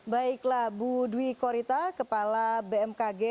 baiklah bu dwi korita kepala bmkg